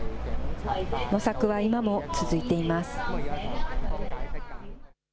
模索は今も続いています。